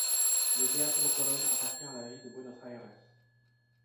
Le Teatro Colón appartient à la ville de Buenos Aires.